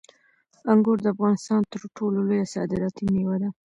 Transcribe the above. انګور د افغانستان تر ټولو لویه صادراتي میوه ده.